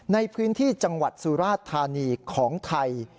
ในพื้นที่จังหวัดสุราธานีของไทย